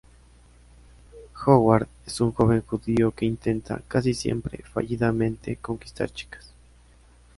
Howard es un joven judío que intenta, casi siempre fallidamente, conquistar chicas.